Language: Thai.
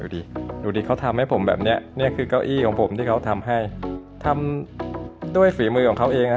อยู่ดีเขาทำให้ผมแบบเนี้ยเนี้ยคือเก้าอี้ของผมที่เขาทำให้ทำด้วยฝีมือของเขาเองฮะ